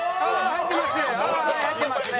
入ってますね。